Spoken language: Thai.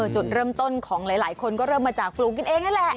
จุดเริ่มต้นของหลายคนก็เริ่มมาจากปลูกกันเองนั่นแหละ